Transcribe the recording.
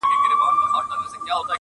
نه یې څه پیوند دی له بورا سره!!